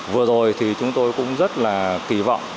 vừa rồi thì chúng tôi cũng rất là kỳ vọng